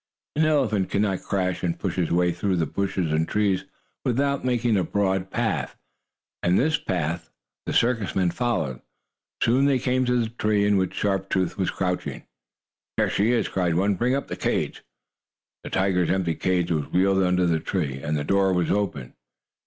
An elephant cannot crash and push his way through the bushes and trees without making a broad path. And this path the circus men followed. Soon they came to the tree in which Sharp Tooth was crouching. "Here she is!" cried one. "Bring up the cage!" The tiger's empty cage was wheeled under the tree, and the door was open.